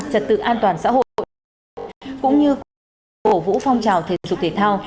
trật tự an toàn xã hội cũng như phổ vũ phong trào thể dục thể thao